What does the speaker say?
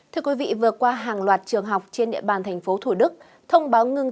thưa quý vị vừa qua hàng loạt trường học trên địa bàn thành phố thủ đức thông báo ngưng